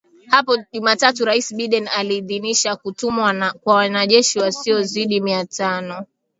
Hapo Jumatatu Rais Biden aliidhinisha kutumwa kwa wanajeshi wasiozidi mia tano